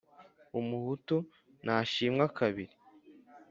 Umuhutu ntashimwa kabili.